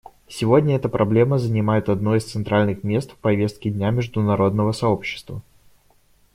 Сегодня эта проблема занимает одно из центральных мест в повестке дня международного сообщества.